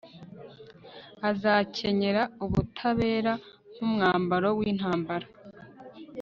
azakenyera ubutabera nk'umwambaro w'intambara